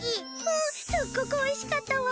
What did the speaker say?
うんすっごくおいしかったわ。